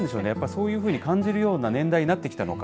そういうふうに感じるような年代になってきたのか。